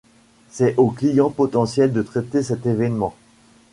C'est aux Clients potentiels de traiter cet événement.